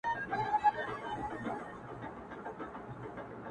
روح مي لا ورک دی. روح یې روان دی.